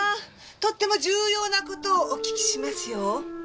とっても重要な事をお聞きしますよ。